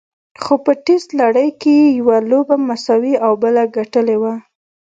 خو په ټېسټ لړۍ کې یې یوه لوبه مساوي او بله ګټلې وه.